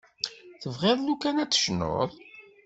Tebɣiḍ lukan ad tecnuḍ?